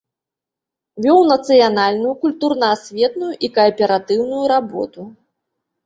Вёў нацыянальную, культурна-асветную і кааператыўную работу.